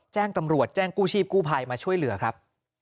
แจ้งตำรวจแจ้งกู้ชีพกู้ภัยมาช่วยเหลือครับ